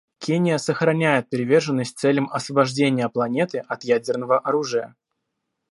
Кения сохраняет приверженность целям освобождения планеты от ядерного оружия.